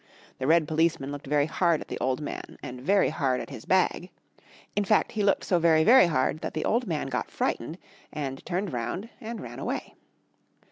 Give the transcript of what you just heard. The red policeman looked very hard at the old man and very hard at his bag. In fact he looked so very very hard that the old man got frightened and turned round and ran away.